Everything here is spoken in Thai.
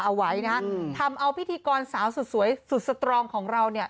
เอาไว้นะฮะทำเอาพิธีกรสาวสุดสวยสุดสตรองของเราเนี่ย